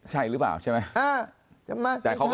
ใช่หรือเปล่าใช่ไหม